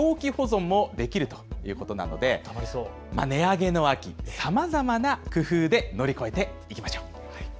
さらに長期保存もできるということなので値上げの秋、さまざまな工夫で乗り越えていきましょう。